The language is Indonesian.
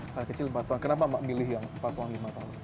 paling kecil empat tahun kenapa emak milih yang empat tahun lima tahun